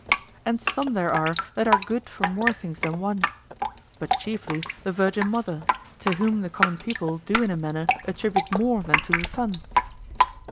And some there are that are good for more things than one; but chiefly, the Virgin Mother, to whom the common people do in a manner attribute more than to the Son.